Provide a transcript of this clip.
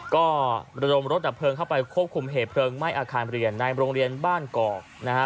ก็ระดมรถดับเพลิงเข้าไปควบคุมเหตุเพลิงไหม้อาคารเรียนในโรงเรียนบ้านกอกนะฮะ